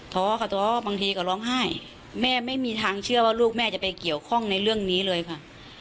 ท้อค่ะท้อบางทีก็ร้องไห้แม่ไม่มีทางเชื่อว่าลูกแม่จะไปเกี่ยวข้องในเรื่องนี้เลยค่ะ